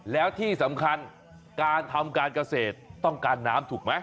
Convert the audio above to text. แล้วที่สำคัญการทำการเกษตรต้องการน้ำถูกไหม